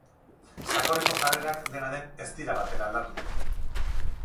Sakoneko jarrerak, dena den, ez dira batere aldatu.